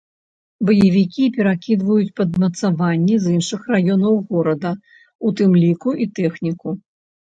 Баевікі перакідваюць падмацаванні з іншых раёнаў горада, у тым ліку і тэхніку.